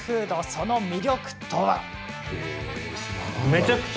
その魅力とは。